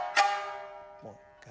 もう一回。